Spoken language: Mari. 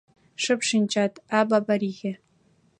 Шып шинчат, — а Бабарихе